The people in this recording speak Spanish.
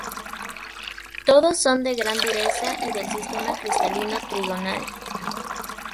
Todos son de gran dureza y del sistema cristalino trigonal.